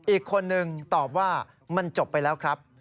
อีกคนนึงตอบว่ามันจบไปแล้วครับ